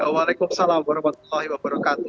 waalaikumsalam warahmatullahi wabarakatuh